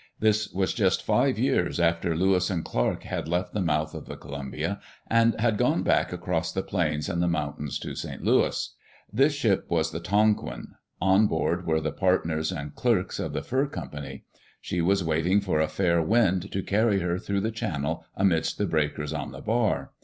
This was just five years after Lewis and Clark had left the mouth of the Columbia and had gone back across the plains and the mountains to St. Louis. This ship was the Tonquin. On board were the partners and clerks of the fur company. She was waiting for a fair wind to carry her through the channel amidst the breakers on the bar.